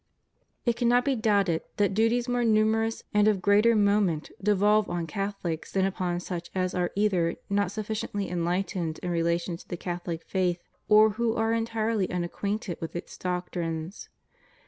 It cannot be doubted that duties more numerous and of greater moment devolve on Catholics than upon such as are either not sufficiently enlightened in relation to the Catholic faith, or who are entirely unacquainted with its doctrines.